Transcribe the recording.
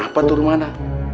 kenapa tuh rumahnya